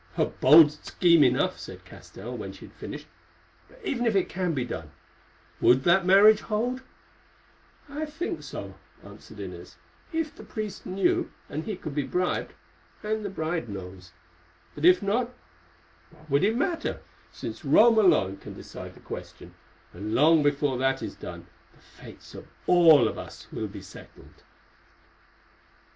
"A bold scheme enough," said Castell, when she had finished, "but even if it can be done, would that marriage hold?" "I think so," answered Inez, "if the priest knew—and he could be bribed—and the bride knows. But if not, what would it matter, since Rome alone can decide the question, and long before that is done the fates of all of us will be settled."